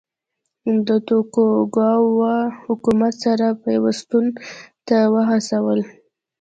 د توکوګاوا حکومت سره پیوستون ته وهڅول.